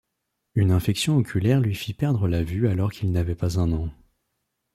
Une infection oculaire lui fit perdre la vue alors qu’il n’avait pas un an.